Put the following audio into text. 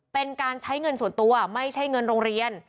เป็นการใช้เงินส่วนตัวไม่ใช่เงินโรงเรียน